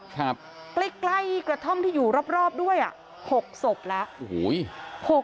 ใกล้กระท่อมที่อยู่รอบด้วย๖ศพแล้ว